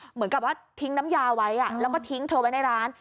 เหมือนกับว่าทิ้งน้ำยาไว้แล้วก็ทิ้งเธอไว้ในร้าน